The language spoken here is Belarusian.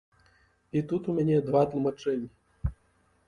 І тут у мяне два тлумачэнні.